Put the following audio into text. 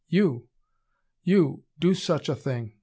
'You, you, do such a thing!